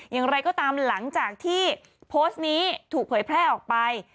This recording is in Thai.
อย่างไรก็ตามหลังจากที่โพสต์นี้ถูกเผยแพร่ออกไป